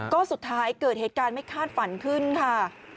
ก็สุดท้ายเกิดเหตุการณ์ไม่คาดฝันขึ้นค่ะ